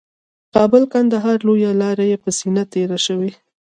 کابل قندهار لویه لاره یې په سینه تېره شوې